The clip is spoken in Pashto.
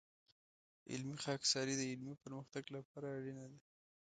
علمي خاکساري د علمي پرمختګ لپاره اړینه ده.